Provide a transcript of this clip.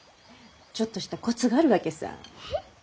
ちょっとしたコツがあるわけさぁ。